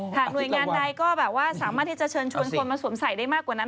หน่วยงานใดก็แบบว่าสามารถที่จะเชิญชวนคนมาสวมใส่ได้มากกว่านั้น